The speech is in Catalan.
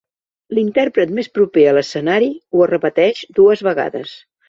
L'intèrpret més proper a l'escenari ho repeteix dues vegades.